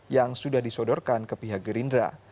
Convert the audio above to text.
yang sudah disodorkan ke pihak gerindra